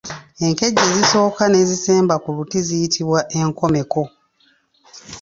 Enkejje ezisooka n’ezisemba ku luti ziyitbwa enkomeko.